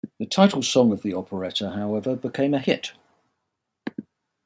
The title song of the operetta, however, became a hit.